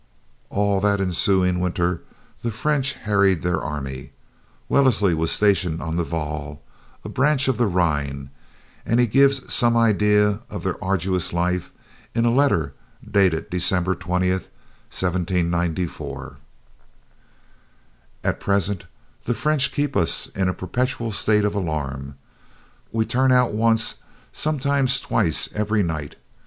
All that ensuing winter the French harried their army. Wellesley was stationed on the Waal, a branch of the Rhine; and he gives some idea of their arduous life in a letter dated December 20, 1794: "At present the French keep us in a perpetual state of alarm. We turn out once, sometimes twice, every night.